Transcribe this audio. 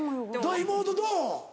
妹どう？